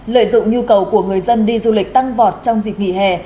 lợi dụng nhu cầu của người dân đi du lịch tăng vọt trong dịp nghỉ hè